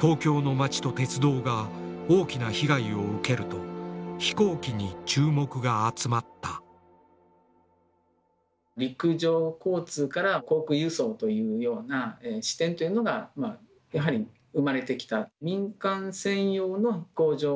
東京の町と鉄道が大きな被害を受けると飛行機に注目が集まった陸上交通から航空輸送というような視点というのがやはり生まれてきた。